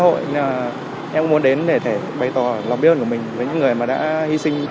nhưng em cũng muốn đến để bày tỏ lòng biết ơn của mình với những người đã hy sinh